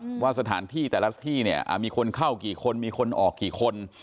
ว่าสถานที่แต่ละที่เนี่ยอ่ามีคนเข้ากี่คนมีคนออกกี่คน